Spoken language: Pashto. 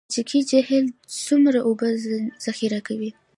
د کجکي جهیل څومره اوبه ذخیره کوي؟